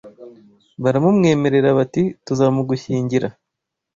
Baramumwemerera bati Tuzamugushyingira